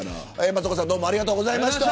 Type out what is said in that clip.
松岡さんどうもありがとうございました。